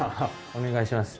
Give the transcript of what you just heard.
お願いします。